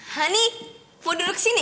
honey mau duduk sini